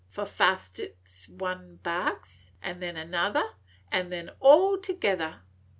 For fust it 's one barks, an then another, an' then all together.